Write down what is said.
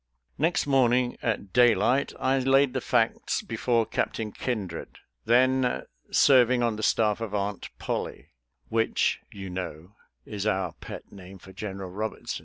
Next morning at daylight I laid the facts before Captain Kindred, then serv ing on the staff of " Aunt Pollie," which, you know, is our pet name for General Eobertson.